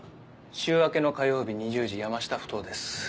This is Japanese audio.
週明けの火曜日２０時山下埠頭です。